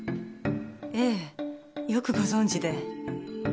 ええ。よくご存じで。